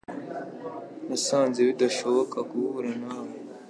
Nasanze bidashoboka guhura nawe